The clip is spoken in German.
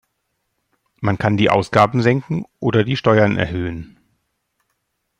Man kann die Ausgaben senken oder die Steuern erhöhen.